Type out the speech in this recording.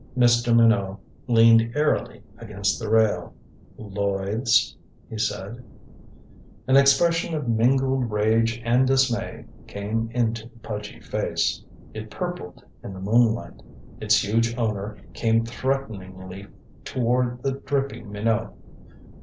Mr. Minot leaned airily against the rail. "Lloyds," he said An expression of mingled rage and dismay came into the pudgy face. It purpled in the moonlight. Its huge owner came threateningly toward the dripping Minot.